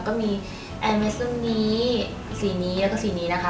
ก็มีแอร์เมซึมนี้สีนี้แล้วก็สีนี้นะคะ